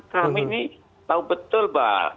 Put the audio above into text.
kami ini tahu betul bahwa